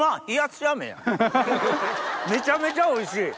めちゃめちゃおいしい！